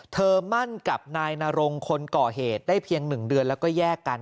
มั่นกับนายนรงคนก่อเหตุได้เพียง๑เดือนแล้วก็แยกกัน